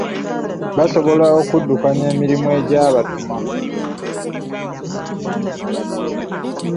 Basobola okuddukanya emirimu egyabatumwa.